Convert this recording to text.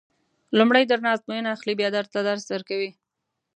لومړی درنه ازموینه اخلي بیا درته درس درکوي.